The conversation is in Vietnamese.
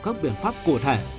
các biện pháp cụ thể